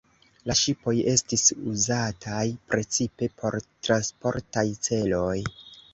La ŝipoj estis uzataj precipe por transportaj celoj.